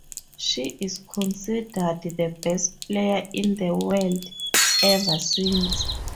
She is considered the best player in the world ever since.